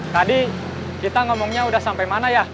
tadi kita ngomongnya udah sampai mana ya